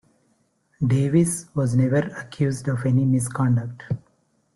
Davis was never accused of any misconduct.